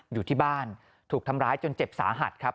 อยู่ที่บ้านถูกทำร้ายจนเจ็บสาหัสครับ